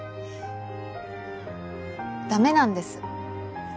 駄目なんです。